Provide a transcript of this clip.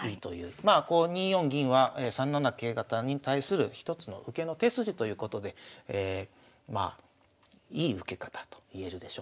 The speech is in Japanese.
まあこう２四銀は３七桂型に対する一つの受けの手筋ということでいい受け方といえるでしょうね。